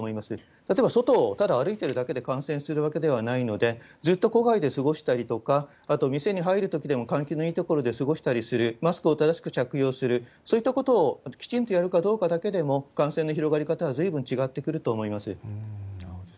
例えば外をただ歩いてるだけで感染するわけではないので、ずっと戸外で過ごしたりとか、あと、店に入るときでも換気のいい所で過ごしたりする、マスクを正しく着用する、そういったことをきちんとやるかどうかだけでも、感染の広がり方はずいぶん違ってくると思います。